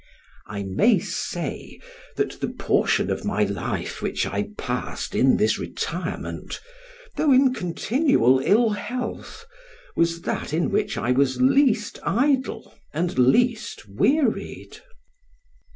I may say, that the portion of my life which I passed in this retirement, though in continual ill health, was that in which I was least idle and least wearied.